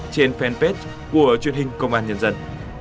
trên fanpage của truyền hình công an nhân dân